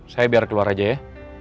saya biar keluar aja ya